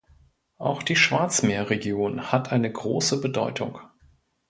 Auch die Schwarzmeerregion hat eine große Bedeutung.